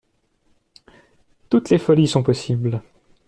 Toutes les folies sont possibles.